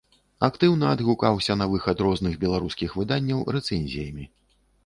Актыўна адгукаўся на выхад розных беларускіх выданняў рэцэнзіямі.